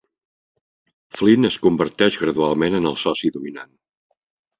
Flint es converteix gradualment en el soci dominant.